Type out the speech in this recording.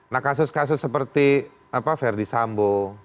nah kasus kasus seperti verdi sambo